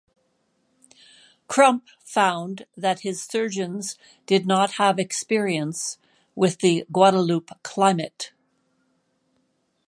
Crump found that his surgeons did not have experience with the Guadeloupe climate.